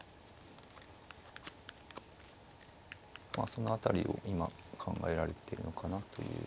その辺りを今考えられてるのかなという。